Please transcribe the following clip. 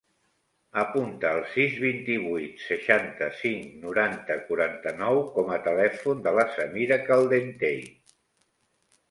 Apunta el sis, vint-i-vuit, seixanta-cinc, noranta, quaranta-nou com a telèfon de la Samira Caldentey.